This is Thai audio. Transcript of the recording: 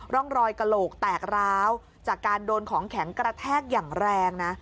ร่องรอยกระโหลกแตกร้าวจากการโดนของแข็งกระแทกอย่างแรงนะ